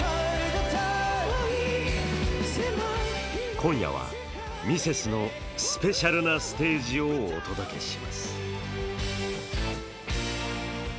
今夜は、ミセスのスペシャルなステージをお届けします。